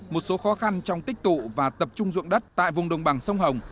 một số khó khăn trong tích tụ và tập trung dụng đất tại vùng đồng bằng sông hồng